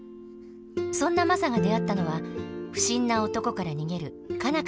そんなマサが出会ったのは不審な男から逃げる佳奈